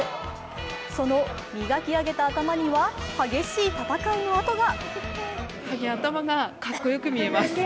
その磨き上げた頭にはハゲしい戦いの跡が。